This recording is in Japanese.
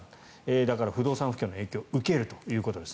だから不動産不況の影響を受けるということです。